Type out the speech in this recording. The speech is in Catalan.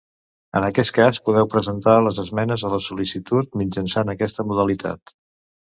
En aquest cas podeu presentar les esmenes a la sol·licitud mitjançant aquesta modalitat.